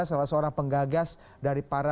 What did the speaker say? salah seorang penggagas dari para